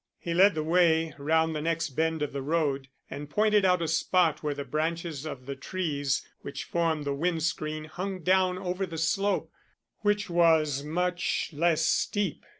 He led the way round the next bend of the road, and pointed out a spot where the branches of the trees which formed the wind screen hung down over the slope, which was much less steep.